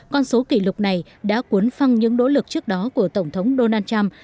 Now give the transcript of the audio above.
con số kỷ lục này đã cuốn phăng những nỗ lực trước đó của tổng thống donald trump